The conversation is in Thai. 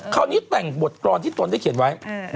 คราวนี้แต่งบทกรอนที่ตนได้เขียนไว้